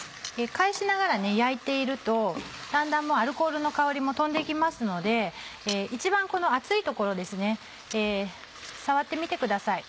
返しながら焼いているとだんだんアルコールの香りも飛んで行きますので一番この厚いところですね触ってみてください。